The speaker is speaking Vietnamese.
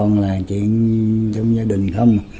nhưng mà thấy toàn là chuyện trong gia đình không